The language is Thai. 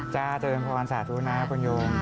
จ้าเจริญพรรณศาสตร์ธุรกรณะพลังโยม